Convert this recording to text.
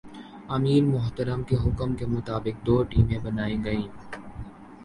امیر محترم کے حکم کے مطابق دو ٹیمیں بنائی گئیں ۔